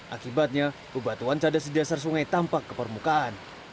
akibatnya pebatuan cadas sejasar sungai tampak ke permukaan